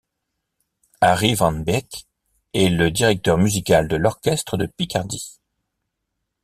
Arie Van Beek est le directeur musical de l'Orchestre de Picardie.